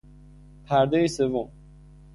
پردهی سوم